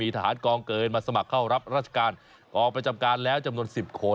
ถ้าเกินก็ไม่ต้องเกณฑ์